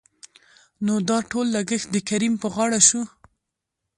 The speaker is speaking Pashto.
نو دا ټول لګښت دکريم په غاړه شو.